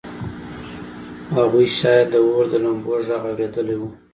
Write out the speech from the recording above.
هغوی شاید د اور د لمبو غږ اورېدلی و